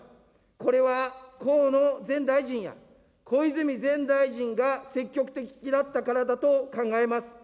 これは河野前大臣や、小泉前大臣が積極的だったからだと考えます。